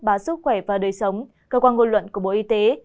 bà sức khỏe và đời sống cơ quan ngôn luận của bộ y tế